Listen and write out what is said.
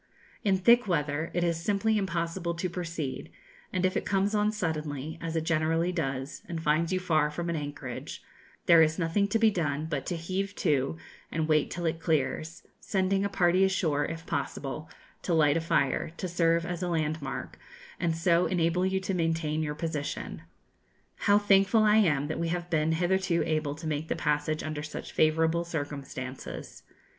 In thick weather it is simply impossible to proceed; and if it comes on suddenly, as it generally does, and finds you far from an anchorage, there is nothing to be done but to heave to and wait till it clears, sending a party ashore if possible to light a fire, to serve as a landmark, and so enable you to maintain your position. How thankful I am that we have been hitherto able to make the passage under such favourable circumstances!